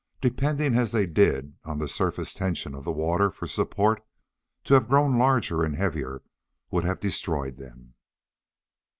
Depending as they did on the surface tension of the water for support, to have grown larger and heavier would have destroyed them.